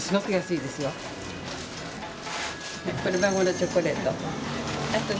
これ孫のチョコレート。